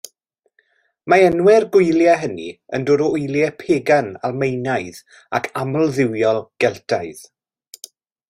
Mae enwau'r gwyliau hynny yn dod o wyliau pagan Almaenaidd ac amldduwiol Geltaidd.